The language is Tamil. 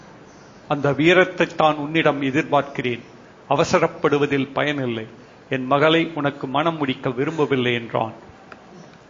அந்த வீரத்தைத்தான் உன்னிடம் எதிர்பார்க்கிறேன் அவசரப்படுவதில் பயனில்லை. என் மகளை உனக்கு மணம் முடிக்க விரும்பவில்லை என்றான்.